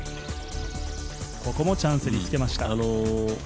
ここもチャンスにつけました。